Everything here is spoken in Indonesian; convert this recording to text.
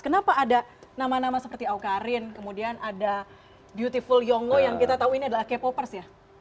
kenapa ada nama nama seperti awkarin kemudian ada beauty full yongo yang kita tahu ini adalah k popers ya